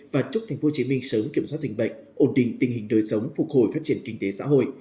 và chúc tp hcm sớm kiểm soát dịch bệnh ổn định tình hình đời sống phục hồi phát triển kinh tế xã hội